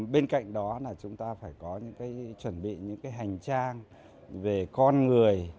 bên cạnh đó là chúng ta phải có những cái chuẩn bị những cái hành trang về con người